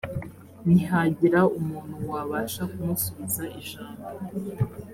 ntihagira umuntu wabasha kumusubiza ijambo